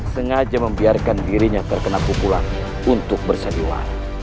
sengaja membiarkan dirinya terkena pukulan untuk bersediwa